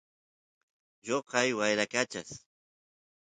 lloqay wyrakachas